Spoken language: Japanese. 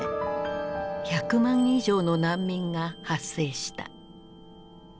１００万以上の難民が発生した。